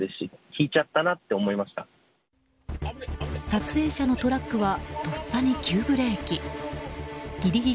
撮影者のトラックはとっさに急ブレーキ。